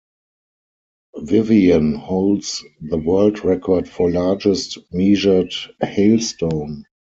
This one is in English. Vivian holds the world record for largest measured hailstone.